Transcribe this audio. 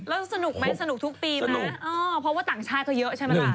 แล้วสนุกไหมสนุกทุกปีไหมเพราะว่าต่างชาติก็เยอะใช่ไหมล่ะ